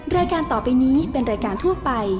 รายการต่อไปนี้เป็นรายการทั่วไป